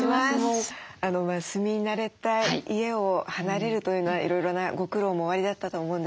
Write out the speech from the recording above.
住み慣れた家を離れるというのはいろいろなご苦労もおありだったと思うんですけれども。